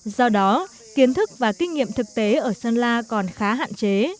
do đó kiến thức và kinh nghiệm thực tế ở sơn la còn khá hạn chế